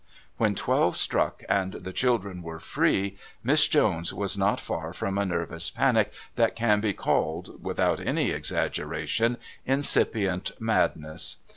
When twelve struck and the children were free, Miss Jones was not far from a nervous panic that can be called, without any exaggeration, incipient madness.